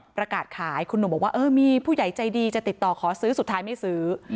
ประกาศขายคุณหนุ่มบอกว่าเออมีผู้ใหญ่ใจดีจะติดต่อขอซื้อสุดท้ายไม่ซื้อ